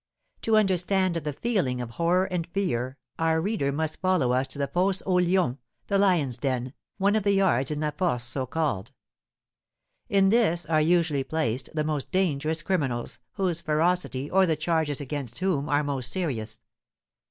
To understand the feeling of horror and fear, our reader must follow us to the Fosse aux Lions (the Lions' Den), one of the yards in La Force so called. In this are usually placed the most dangerous criminals, whose ferocity, or the charges against whom, are most serious.